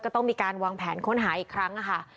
ต้องมีการวางแผนค้นหาอีกครั้งค่ะ